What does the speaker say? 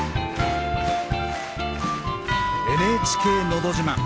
「ＮＨＫのど自慢」